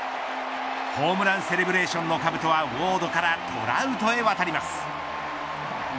ホームランセレブレーションのかぶとはウォードからトラウトへ渡ります。